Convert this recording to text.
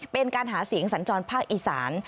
เป็นการหาเสียงสัญจรภาคอีสาน